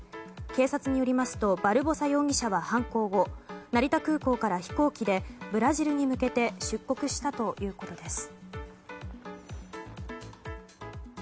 警察によりますとバルボサ容疑者は犯行後成田空港から飛行機でブラジルに向けて出国したということです。